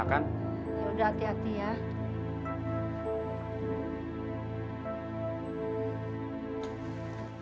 yaudah hati hati ya